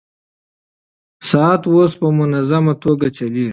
ساعت اوس په منظمه توګه چلېږي.